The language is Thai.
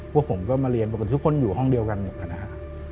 พวกผมก็มาเรียนบอกว่าทุกคนอยู่ห้องเดียวกันอยู่ค่ะนะฮะ